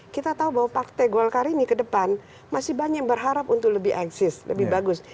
kita tahu bahwa partai golkar ini ke depan masih banyak berharap untuk lebih eksis lebih bagus